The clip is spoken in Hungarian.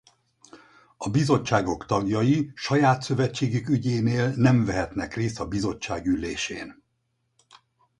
A Bizottságok tagjai saját szövetségük ügyénél nem vehetnek részt a bizottság ülésén.